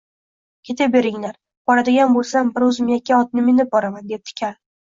Keta beringlar, boradigan bo‘lsam, bir o‘zim yakka otni minib boraman, debdi kal